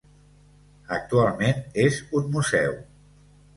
Actualment és un museu.